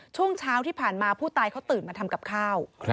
ช่วงเช้าที่ผ่านมาผู้ตายเขาตื่นมาทำกับข้าว